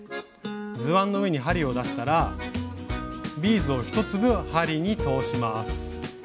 図案の上に針を出したらビーズを１粒針に通します。